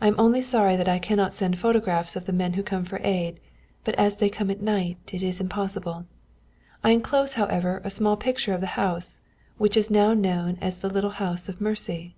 I am only sorry that I cannot send photographs of the men who come for aid, but as they come at night it is impossible. I enclose, however, a small picture of the house, which is now known as the little house of mercy."